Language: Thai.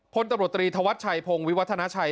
พลตำรวจตรีธวัชชัยพงศ์วิวัฒนาชัย